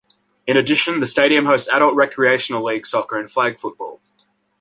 In addition, the stadium hosts adult recreational league soccer and flag football.